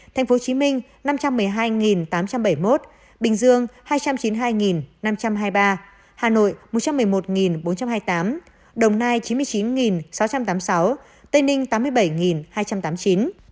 tp hcm năm trăm một mươi hai tám trăm bảy mươi một bình dương hai trăm chín mươi hai năm trăm hai mươi ba hà nội một trăm một mươi một bốn trăm hai mươi tám đồng nai chín mươi chín sáu trăm tám mươi sáu tây ninh tám mươi bảy hai trăm tám mươi chín